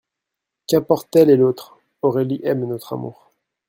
Qu'importent elle et l'autre ? Aurélie aime notre amour.